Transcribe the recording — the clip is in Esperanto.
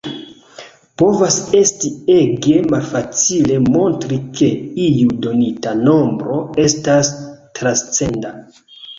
Povas esti ege malfacile montri ke iu donita nombro estas transcenda.